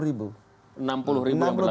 enam puluh ribu yang berlaku